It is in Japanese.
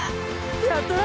やったな！